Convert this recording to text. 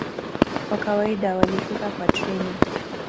Kwa kawaida walifika kwa treni.